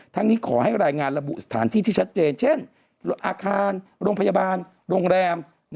นี้ขอให้รายงานระบุสถานที่ที่ชัดเจนเช่นอาคารโรงพยาบาลโรงแรม